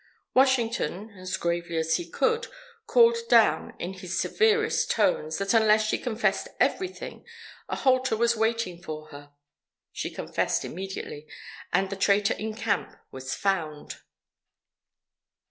Washington, as gravely as he could, called down, in his severest tones, that unless she confessed everything, a halter was waiting for her. She confessed immediately, and the traitor in camp was found.